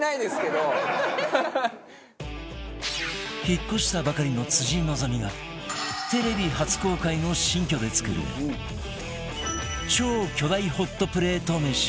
引っ越したばかりの辻希美がテレビ初公開の新居で作る超巨大ホットプレート飯